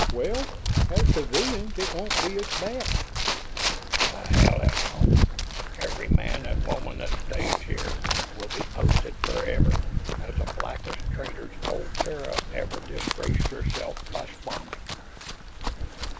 "Well, as civilians, it won't be as bad...." "The hell it won't. Every man and woman that stays here will be posted forever as the blackest traitors old Terra ever disgraced herself by spawning."